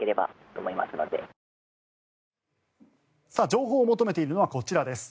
情報を求めているのはこちらです。